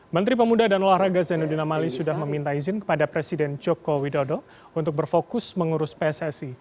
menteri pemuda dan olahraga zainuddin amali sudah meminta izin kepada presiden joko widodo untuk berfokus mengurus pssi